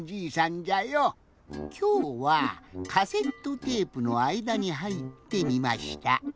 きょうはカセットテープのあいだにはいってみました。